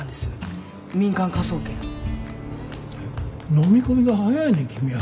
飲み込みが早いね君は。